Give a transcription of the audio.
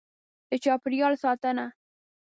. د چاپېریال ساتنه: